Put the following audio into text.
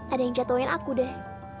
ada yang jatuhin aku deh